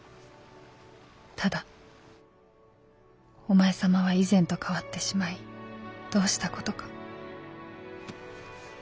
ただお前様は以前と変わってしまいどうしたことか」。